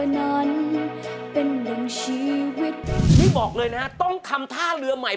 นี่บอกเลยนะต้องคำท่าเรือใหม่